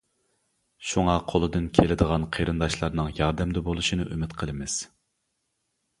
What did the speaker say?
شۇڭا قولىدىن كېلىدىغان قېرىنداشلارنىڭ ياردەمدە بولۇشىنى ئۈمىد قىلىمىز.